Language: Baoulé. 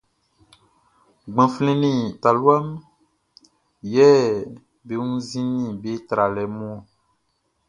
Gbanflɛn nin talua mun yɛ be wunnzin be tralɛ mun ɔn.